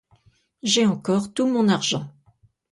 J'ai encore tout mon argent.